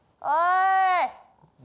おい。